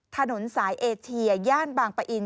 ถนนสายเอเชียย่านบางปะอิน